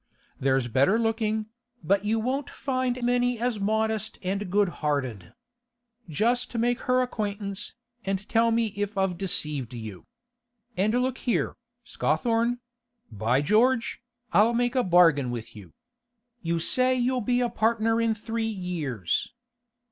There's better looking, but you won't find many as modest and good hearted. Just make her acquaintance, and tell me if I've deceived you. And look here, Scawthorne; by George, I'll make a bargain with you! You say you'll be a partner in three years.